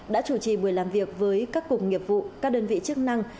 đã chủ trì buổi làm việc với các cục nghiệp vụ các đơn vị chức năng